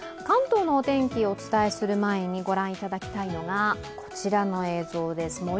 関東のお天気をお伝えする前に御覧いただきたいのがこちらの映像です。